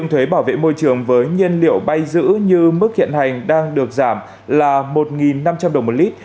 thuế bảo vệ môi trường với nhiên liệu bay giữ như mức hiện hành đang được giảm là một năm trăm linh đồng một lít